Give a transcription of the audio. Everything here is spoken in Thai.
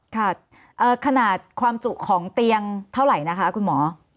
ขนาดความจุของเตียงเท่าไหร่นะคะคุณหมอ